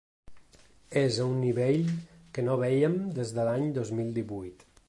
És a un nivell que no vèiem des de l’any dos mil divuit.